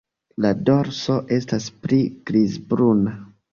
La dorso estas pli grizbruna.